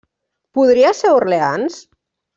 Podria ser Orleans?